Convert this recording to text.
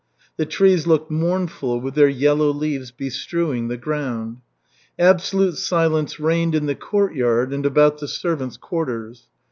The trees looked mournful, with their yellow leaves bestrewing the ground. Absolute silence reigned in the court yard and about the servants' quarters.